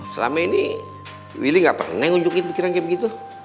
selama ini willy gak pernah nunjukin pikiran kayak begitu